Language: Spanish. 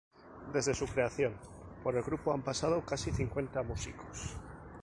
Desde su creación, por el grupo han pasado casi cincuenta músicos.